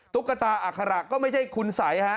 ตุ๊กตาอัครรักษ์ก็ไม่ใช่คุณสัย